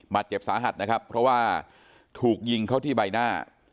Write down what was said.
บาดเจ็บสาหัสเพราะว่าถูกยิงเขาที่ใบหน้า